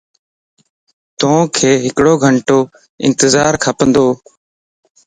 توک ھڪڙو گھنٽو انتظار کپندو